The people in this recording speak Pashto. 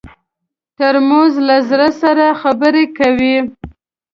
ترموز له زړه سره خبرې کوي.